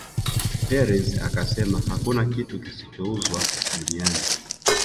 Perez akasema hakuna kitu kisichouzwa duniani